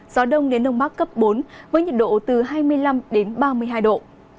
gió đông đến đông bắc cấp bốn với nhiệt độ từ hai mươi năm đến ba mươi hai độ